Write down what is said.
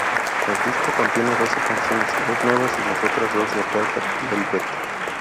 El disco contiene doce canciones, dos nuevas y las otras de "Perfect Velvet".